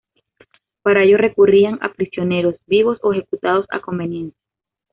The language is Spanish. Para ello recurrían a prisioneros vivos o ejecutados a conveniencia.